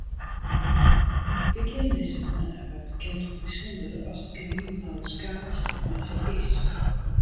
Begjin dizze moanne waard bekend hoe bysûnder as it grienblauwe skaaltsje eins is.